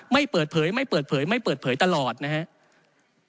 ไม่เปิดเผยตลอดนะครับ